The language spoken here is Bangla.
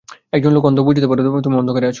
একজন অন্ধ লোকও বুঝতে পারতো তুমি অন্ধকারে আছো।